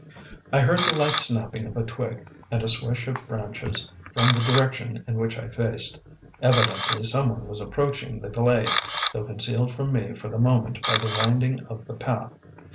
I heard the light snapping of a twig and a swish of branches from the direction in which I faced; evidently some one was approaching the glade, though concealed from me for the moment by the winding of the path.